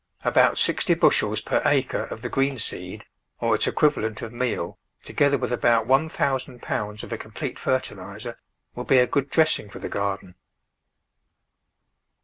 About sixty bushels per acre of the green seed or its equivalent of meal, together with about one thousand pounds of a complete fertiliser, will be a good dressing for the garden.